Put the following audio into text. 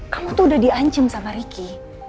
kamu tuh udah diancam sama ricky